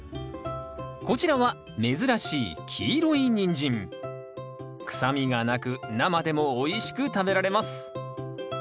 こちらは珍しい臭みがなく生でもおいしく食べられます。